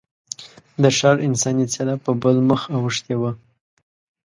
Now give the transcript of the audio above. د ښار انساني څېره په بل مخ اوښتې وه.